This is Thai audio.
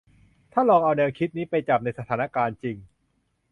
ถ้าลองเอาแนวคิดนี้ไปจับในสถานการณ์จริง